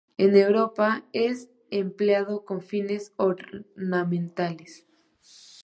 En Europa es empleado con fines ornamentales.